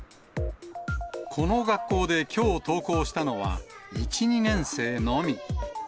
この学校できょう、登校したのは、１、２年生のみ。